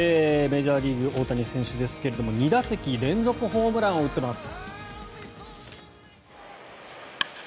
メジャーリーグ、大谷選手ですが２打席連続ホームランを打っています。